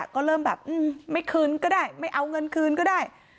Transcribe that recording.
ก็เริ่มแบบไม่คืนก็ได้ไม่เอาเงินคืนก็ได้